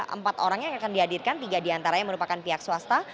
empat orang yang akan dihadirkan tiga diantaranya merupakan pihak swasta